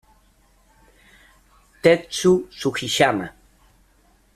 Tetsu Sugiyama